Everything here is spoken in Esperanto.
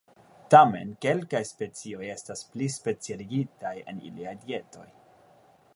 Tamen, kelkaj specioj estas pli specialigitaj en iliaj dietoj.